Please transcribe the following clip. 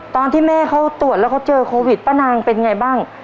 ตอนที่แม่เขาตรวจแล้วเขาเจอโควิดป้านางเป็นไงบ้าง